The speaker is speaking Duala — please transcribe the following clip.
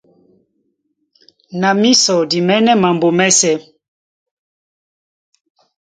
Na mísɔ di mɛ̌nɛ́ mambo mɛ́sɛ̄.